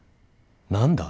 何だ？